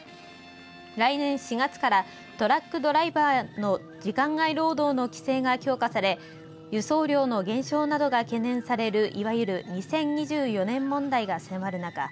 来年４月からトラックドライバーの時間外労働の規制が強化され輸送量の減少などが懸念されるいわれる２０２４年問題が迫る中